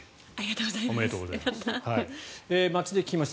おめでとうございます。